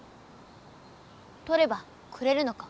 とればくれるのか？